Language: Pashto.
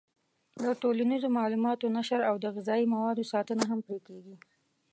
د ټولنیزو معلوماتو نشر او د غذایي موادو ساتنه هم پرې کېږي.